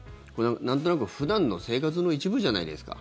なんとなく、普段の生活の一部じゃないですか。